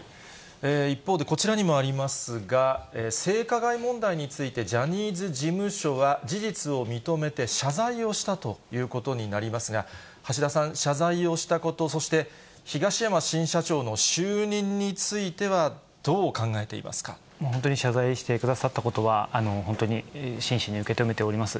一方でこちらにもありますが、性加害問題について、ジャニーズ事務所は事実を認めて謝罪をしたということになりますが、橋田さん、謝罪をしたこと、そして東山新社長の就任について本当に謝罪してくださったことは、本当に真摯に受け止めております。